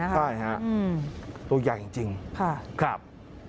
ใช่ครับตัวอย่างจริงจริงครับ